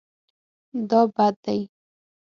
دا بد دی